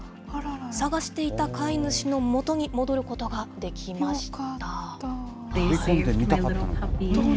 捜していた飼い主のもとに戻ることができました。